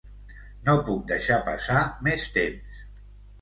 No puc deixar passar més temps.